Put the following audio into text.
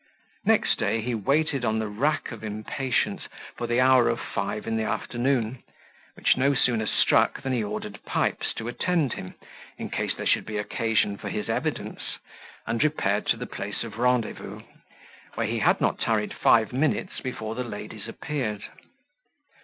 Next day he waited on the rack of impatience for the hour of five in the afternoon, which no sooner struck than he ordered Pipes to attend him, in case there should be occasion for his evidence, and repaired to the place of rendezvous, where he had not tarried five minutes before the ladies appeared.